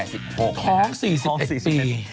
ท้อง๔๑ปี